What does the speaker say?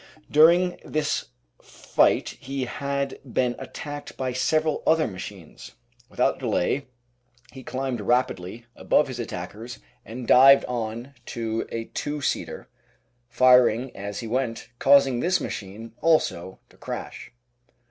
During this fight he had been attacked by several other machines. Without delay he climbed rapidly above his attackers and dived on to a two seater, firing as he went, causing this machine also to crash.